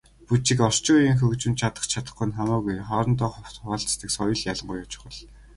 Бүжиг, орчин үеийн хөгжимд чадах чадахгүй нь хамаагүй хоорондоо хуваалцдаг соёл ялангуяа чухал.